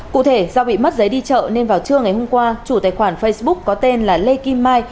cụ thể do bị mất giấy đi chợ nên vào trưa ngày hôm qua chủ tài khoản facebook có tên là lê kim mai